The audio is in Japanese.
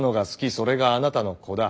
それがあなたの子だ。